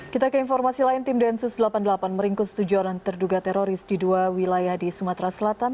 kita ke informasi lain tim densus delapan puluh delapan meringkus tujuh orang terduga teroris di dua wilayah di sumatera selatan